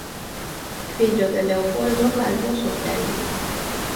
Fillo de Leopoldo Calvo Sotelo.